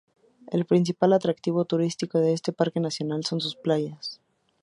El principal atractivo turístico de este parque nacional son sus playas.